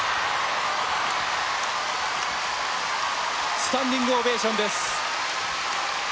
スタンディングオベーションです。